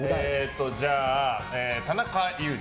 じゃあ、田中裕二。